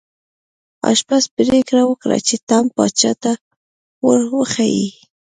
آشپز پریکړه وکړه چې ټام پاچا ته ور وښيي.